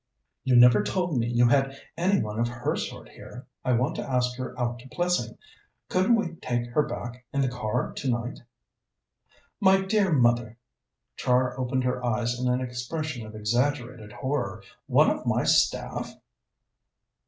"You never told me you had any one of her sort here. I want to ask her out to Plessing. Couldn't we take her back in the car tonight?" "My dear mother!" Char opened her eyes in an expression of exaggerated horror. "One of my staff?"